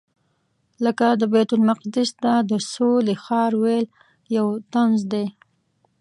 لکه د بیت المقدس ته د سولې ښار ویل یو طنز دی.